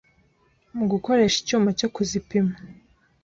mu gukoresha icyuma cyo kuzipima